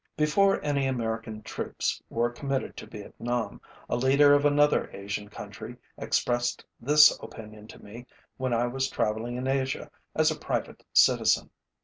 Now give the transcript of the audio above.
Before any American troops were committed to Vietnam, a leader of another Asian country expressed this opinion to me when I was traveling in Asia as a private citizen.